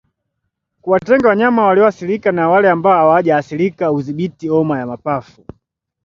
Kuwatenga wanyama walioathirika na wale ambao hawajaathirika hudhibiti homa ya mapafu